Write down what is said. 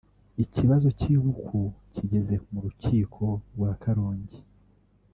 ikibazo cy’ibuku kigeze mu rukiko rwa Karong”i